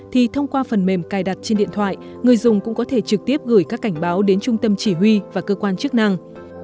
thì thông qua phần mềm cài đặt trên điện thoại người dùng cũng có thể trực tiếp gửi các cảnh báo đến trung tâm chỉ huy và cơ quan chức năng